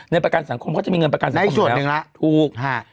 ประกันสังคมเขาจะมีเงินประกันสังคมส่วนหนึ่งแล้วถูกฮะ